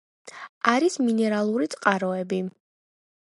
არის მინერალური წყაროები.